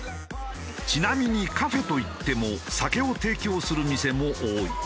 ちなみにカフェといっても酒を提供する店も多い。